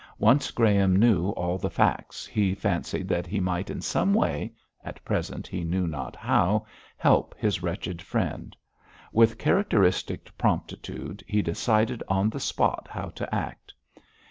Once Graham knew all the facts he fancied that he might in some way at present he knew not how help his wretched friend. With characteristic promptitude he decided on the spot how to act.